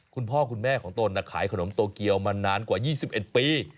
คุณพ่อคุณแม่ของตนขายขนมโตเกียวมานานกว่า๒๑ปี